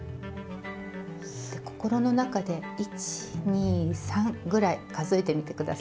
心の中で１２３ぐらい数えてみて下さい。